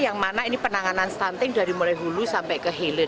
yang mana ini penanganan stunting dari mulai hulu sampai ke hilir